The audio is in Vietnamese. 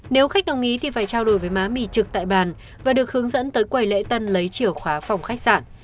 nếu khách đồng ý thì phải trao đổi với má mì trực tại bàn và được hướng dẫn tới quầy lễ tân lấy chìa khóa phòng khách sạn